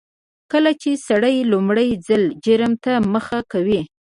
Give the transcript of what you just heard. کله چې سړی لومړي ځل جرم ته مخه کوي.